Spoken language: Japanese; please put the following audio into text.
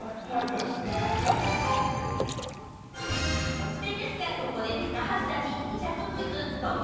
突然ですが、ここで高橋さんに二択クイズ、ドッチ？